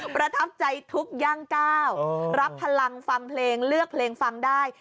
ประทับใจทุกข์ย่างก้าวรับพลังฟังเพลงเลือกเพลงฟังได้